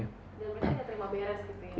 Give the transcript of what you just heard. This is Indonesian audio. dan mereka tidak terima beres gitu ya